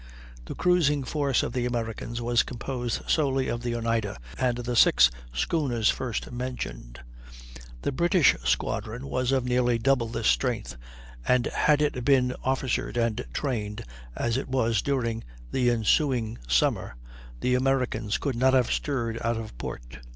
The cruising force of the Americans was composed solely of the Oneida and the six schooners first mentioned. The British squadron was of nearly double this strength, and had it been officered and trained as it was during the ensuing summer, the Americans could not have stirred out of port.